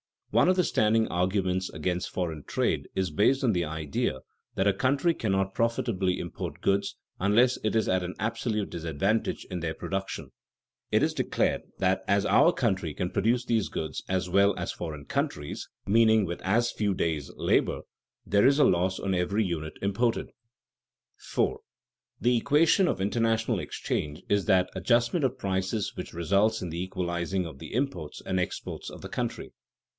One of the standing arguments against foreign trade is based on the idea that a country cannot profitably import goods unless it is at an absolute disadvantage in their production. It is declared that as our country can produce these goods "as well" as foreign countries (meaning with as few days' labor), there is a loss on every unit imported. [Sidenote: Selection of the most paying industries] 4. _The equation of international exchange is that adjustment of prices which results in the equalizing of the imports and exports of the country.